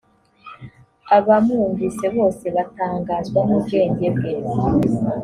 abamwumvise bose batangazwa n’ubwenge bwe